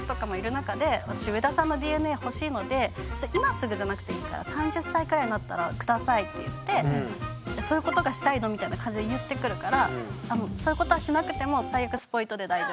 「私上田さんのＤＮＡ欲しいので今すぐじゃなくていいから３０歳くらいになったらください」って言って「そういうことがしたいの？」みたいな感じで言ってくるから「そういうことはしなくても最悪」